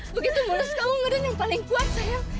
begitu mulus kamu ngedan yang paling kuat sayang